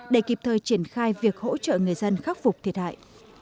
để kịp thời triển khai việc hỗ trợ người dân khắc phục thiệt hại